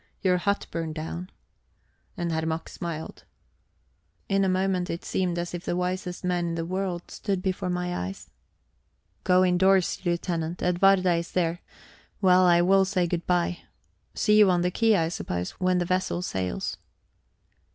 Your hut burned down..." And Herr Mack smiled. In a moment it seemed as if the wisest man in the world stood before my eyes. "Go indoors, Lieutenant; Edwarda is there. Well, I will say good bye. See you on the quay, I suppose, when the vessel sails."